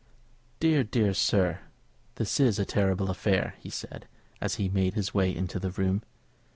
"Dear, dear, sir this is a terrible affair!" he said, as he made his way into the room.